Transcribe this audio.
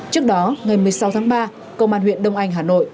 trước đó ngày một mươi sáu tháng ba công an huyện đông anh hà nội